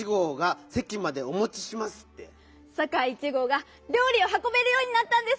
サカイ１ごうがりょうりをはこべるようになったんです！